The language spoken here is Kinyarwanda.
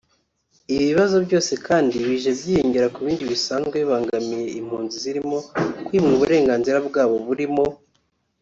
Ibi bibazo byose kandi bije byiyongera ku bindi bisanzwe bibangamiye impunzi birimo kwimwa uburenganzira bwabo burimo